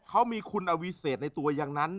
เขามีคุณอวิเศษในตัวอย่างนั้น